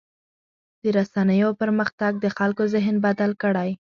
د رسنیو پرمختګ د خلکو ذهن بدل کړی.